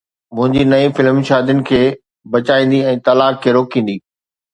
منهنجي نئين فلم شادين کي بچائيندي ۽ طلاق کي روڪيندي